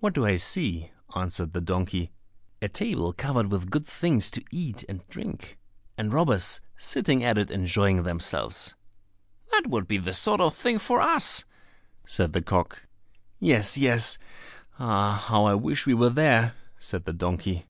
"What do I see?" answered the donkey; "a table covered with good things to eat and drink, and robbers sitting at it enjoying themselves." "That would be the sort of thing for us," said the cock. "Yes, yes; ah, how I wish we were there!" said the donkey.